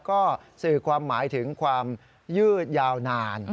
ก็สื่อความหมายถึงความยืดยาวนาน